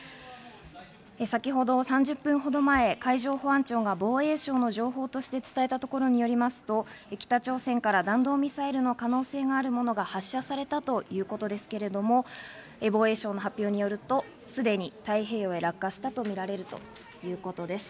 先ほど、３０分ほど前に海上保安庁が防衛省の情報として伝えたところによりますと、北朝鮮から弾道ミサイルの可能性があるものが発射されたということですけれども、防衛省の発表によると、すでに太平洋へ落下したとみられるということです。